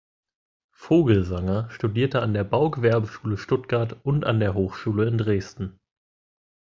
Vogelsanger studierte an der Baugewerbeschule Stuttgart und an der Hochschule in Dresden.